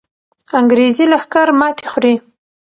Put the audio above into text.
انګریزي لښکر ماتې خوري.